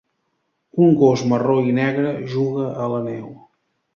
Un gos marró i negre juga a la neu.